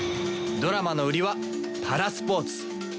ドラマの売りはパラスポーツ。